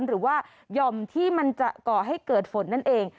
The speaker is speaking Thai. หรือว่าหย่อมที่มันจะก่อให้เกิดฝนนั่นเอง